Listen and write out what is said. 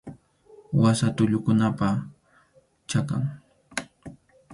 Wasa tullukunapa chakan.